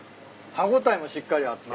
歯応えもしっかりあって。